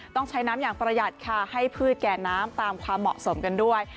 ต้องใช้น้ำอย่างประหยัดค่ะให้พืชแก่น้ำตามความเหมาะสมกันด้วย